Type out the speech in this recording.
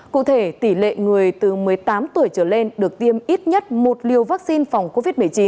cụ thể tỷ lệ người từ một mươi tám tuổi trở lên được tiêm ít nhất một liều vaccine phòng covid một mươi chín